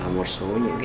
một số những cái